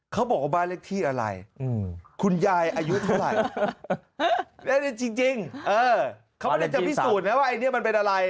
เขาบอกว่าบ้านเลขที่อะไรคุณยายอายุเท่าไหร่เลขจริงเขาไม่ได้จะพิสูจน์นะว่าไอ้นี่มันเป็นอะไร